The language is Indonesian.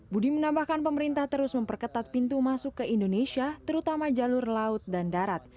budi menambahkan pemerintah terus memperketat pintu masuk ke indonesia terutama jalur laut dan darat